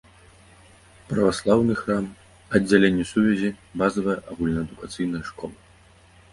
Праваслаўны храм, аддзяленне сувязі, базавая агульнаадукацыйная школа.